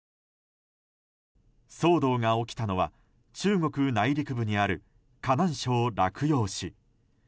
騒動が起きたのは中国内陸部にある河南省洛陽市。